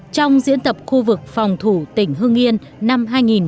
trong diễn tập khu vực phòng thủ tỉnh hương yên năm hai nghìn một mươi bảy